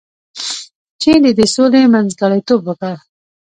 چین د دې سولې منځګړیتوب وکړ.